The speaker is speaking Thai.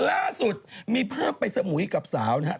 ล่าสุดมีภาพไปสมุยกับสาวนะครับ